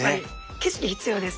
景色必要です